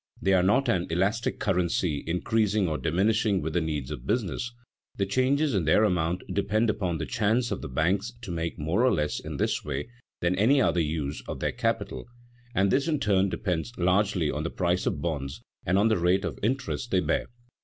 They are not an "elastic currency" increasing or diminishing with the needs of business. The changes in their amount depend upon the chance of the banks to make more or less in this way than by any other use of their capital, and this in turn depends largely on the price of bonds and on the rate of interest they bear.